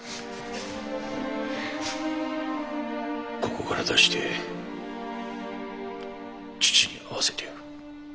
ここから出して父に会わせてやる。